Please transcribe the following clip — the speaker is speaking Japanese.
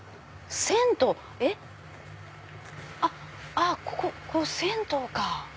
あっここ銭湯か！